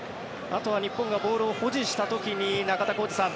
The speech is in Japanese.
あとは日本がボールを保持した時に中田浩二さん